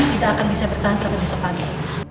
tidak akan bisa bertahan sampai besok pagi